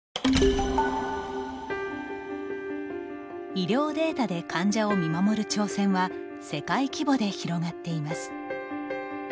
医療データで患者を見守る挑戦は世界規模で広がっています。